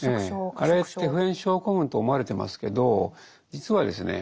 あれって普遍症候群と思われてますけど実はですね